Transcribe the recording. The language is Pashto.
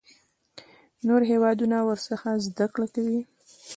نور هیوادونه ورڅخه زده کړه کوي.